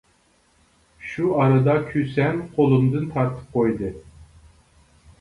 شۇ ئارىدا كۈسەن قولۇمدىن تارتىپ قويدى.